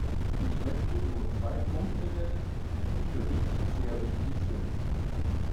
Ich möchte nur zwei Punkte nennen, die für mich sehr wichtig sind.